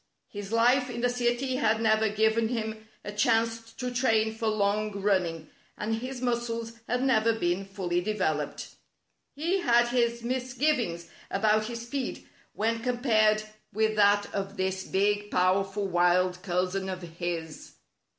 His life in the city had never given him a chance to train for long running, and his muscles had never been fully developed. He had his misgiv ings about his speed when compared with that of this big, powerful wild cousin of his.